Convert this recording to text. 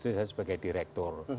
disitu saya sebagai direktur